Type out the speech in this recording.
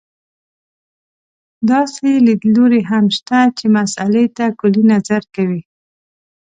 داسې لیدلوري هم شته چې مسألې ته کُلي نظر کوي.